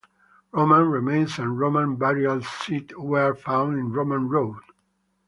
Roman remains and a Roman burial site were found in Roman Road.